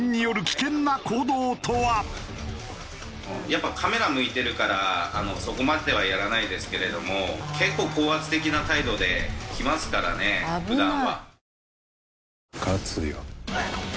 やっぱりカメラ向いてるからそこまではやらないですけれども結構高圧的な態度できますからね普段は。